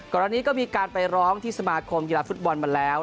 ก่อนหน้านี้ก็มีการไปร้องที่สมาคมกีฬาฟุตบอลมาแล้ว